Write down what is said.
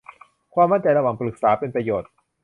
ความมั่นใจระหว่างปรึกษาเป็นประโยชน์